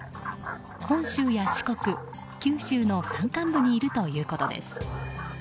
本州や四国、九州の山間部にいるということです。